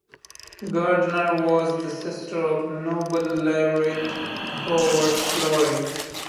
Gardner was the sister of Nobel laureate Howard Florey.